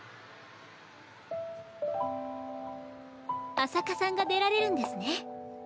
朝香さんが出られるんですね。